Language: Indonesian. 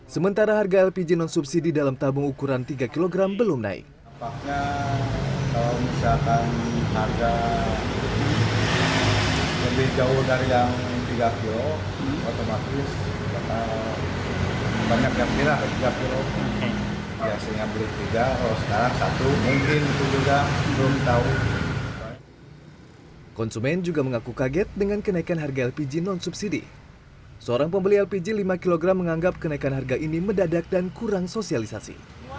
seorang pembeli lpg lima kg menganggap kenaikan harga ini medadak dan kurang sosialisasi